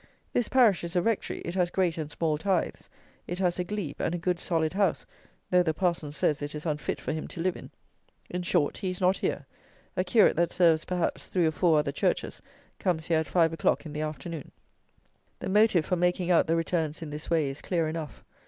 This parish is a rectory; it has great and small tithes; it has a glebe, and a good solid house, though the parson says it is unfit for him to live in! In short, he is not here; a curate that serves, perhaps, three or four other churches, comes here at five o'clock in the afternoon. The motive for making out the returns in this way is clear enough.